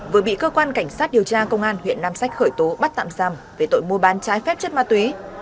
vừa bị cơ quan cảnh sát điều tra công an huyện nam sách khởi tố bắt tạm giam về tội mua bán trái phép chất ma túy